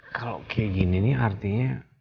kalau kayak gini nih artinya